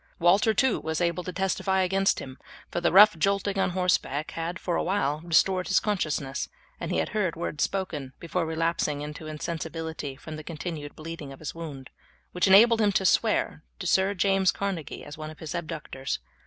Walter, too, was able to testify against him, for the rough jolting on horseback had for a while restored his consciousness, and he had heard words spoken, before relapsing into insensibility from the continued bleeding of his wound, which enabled him to swear to Sir James Carnegie as one of his abductors.